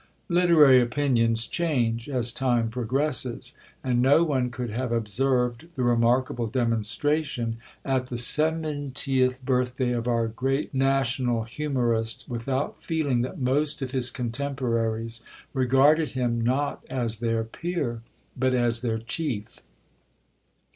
Literary opinions change as time progresses; and no one could have observed the remarkable demonstration at the seventieth birthday of our great national humorist without feeling that most of his contemporaries regarded him, not as their peer, but as their Chief.